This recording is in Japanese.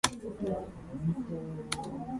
比叡山や東山をはじめ、西山、北山の一帯が見渡せる